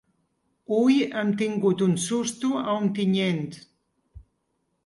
Hui hem tingut un “susto” a Ontinyent.